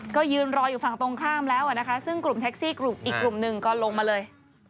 ก็ยืนรออยู่ฝั่งตรงข้ามแล้วนะคะซึ่งกลุ่มแท็กซี่กลุ่มอีกกลุ่มหนึ่งก็ลงมาเลย